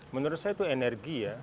menurut saya itu energi ya